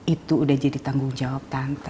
itu udah jadi tanggung jawab tante